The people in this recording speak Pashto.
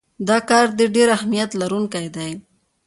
دا کار د ډیر اهمیت لرونکی دی.